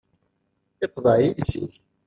Iqḍeε yiles-ik.